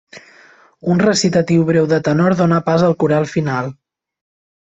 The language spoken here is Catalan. Un recitatiu breu de tenor dóna pas al coral final.